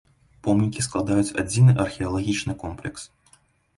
Помнікі складаюць адзіны археалагічны комплекс.